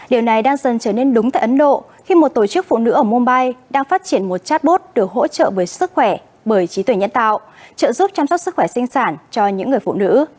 điều này đang dần trở nên đúng tại ấn độ khi một tổ chức phụ nữ ở mumbai đang phát triển một chatbot được hỗ trợ bởi sức khỏe bởi trí tuệ nhân tạo trợ giúp chăm sóc sức khỏe sinh sản cho những người phụ nữ